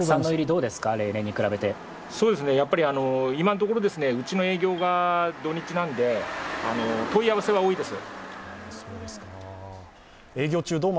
今のところ、うちの営業が土日なんで、問い合わせは多いです。